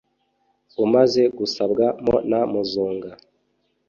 umaze gusabwa mo na muzunga